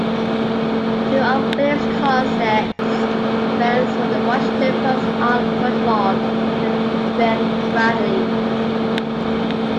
Two of Williams' closest friends were the Washington Post's Art Buchwald and Ben Bradlee.